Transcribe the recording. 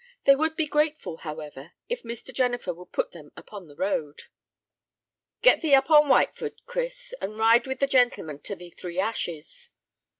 They would be grateful, however, if Mr. Jennifer would put them upon the road. "Get thee up on Whitefoot, Chris, and ride with the gentlemen to the Three Ashes."